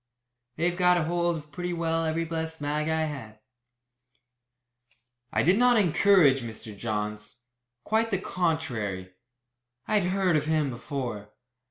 They've got hold of pretty well every blessed mag I had." I did not encourage Mr. Johns; quite the contrary. I had heard of him before.